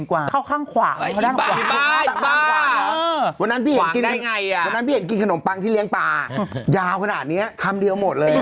วันนั้นพี่เห็นวันนั้นพี่เห็นกินขนมปังที่เลี้ยงปลายาวขนาดนี้คำเดียวหมดเลย